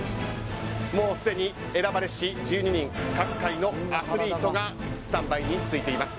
もうすでに選ばれし１２人各界のアスリートがスタンバイについています。